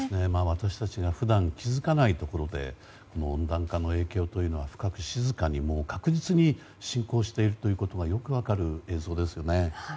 私たちが普段気づかないところで温暖化の影響というのは深く静かに確実に進行していることがよく分かる映像ですよね。